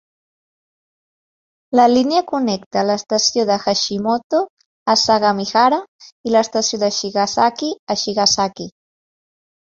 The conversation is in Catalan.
La línia connecta l'estació de Hashimoto a Sagamihara i l'estació de Chigasaki a Chigasaki.